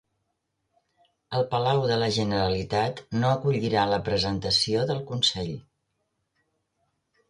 El Palau de la Generalitat no acollirà la presentació del Consell